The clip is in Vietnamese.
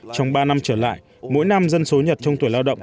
trong ba năm trở lại mỗi năm dân số nhật trong tuổi lao động giảm hai trăm linh người